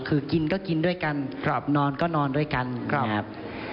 คือกินก็กินด้วยกันนอนก็นอนด้วยกันนะครับ